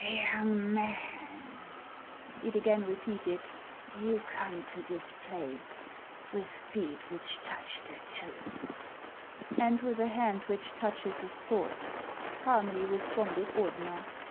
" Young man," it again repeated. " you come to this place with feet which touch the tomb." " And with a hand which touches a sword," calmly responded Ordener.